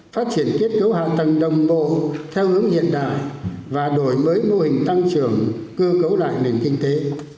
phát triển kết cấu hạ tầng đồng bộ theo hướng hiện đại và đổi mới mô hình tăng trưởng cơ cấu lại nền kinh tế